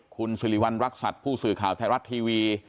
คุณสิริวัณรักษัตริย์ผู้สื่อข่าวไทยรัฐทีวี